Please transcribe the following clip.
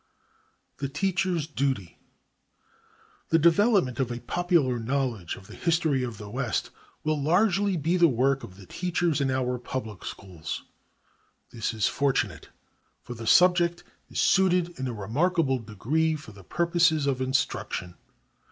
The Teacher's Duty. The development of a popular knowledge of the history of the West will largely be the work of the teachers in our public schools. This is fortunate, for the subject is suited in a remarkable degree for the purposes of instruction.